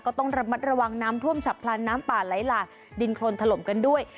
ก็ต้องระมัดระวังน้ำท่วมฉับพลันน้ำป่าไหลหลากดินโครนถล่มกันด้วย